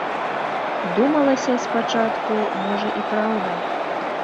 Думалася спачатку, можа, і праўда.